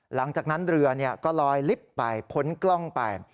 หลังจากนั้นเรือก็ลอยลิฟต์ไปพ้นกล้องไป